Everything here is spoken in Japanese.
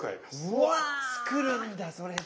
うわ作るんだそれで。